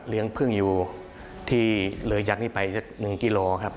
เลี้ยงพึ่งอยู่ที่เหลือยักษ์นี้ไปนึงกิโลครับ